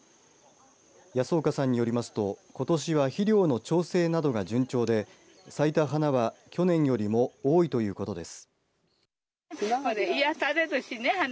安岡さんによりますとことしは肥料の調整などが順調で咲いた花は去年よりも多いということです。